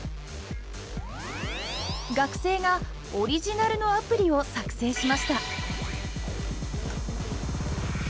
学生がオリジナルのアプリを作成しました。